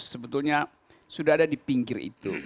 sebetulnya sudah ada di pinggir itu